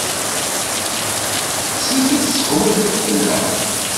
Bezzaf i tettqewwidem fell-aɣ.